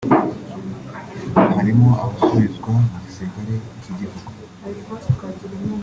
harimo abasubizwa mu gisirikare cy’igihugu